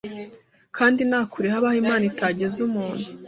kandi nta kure habaho Imana itageza umuntu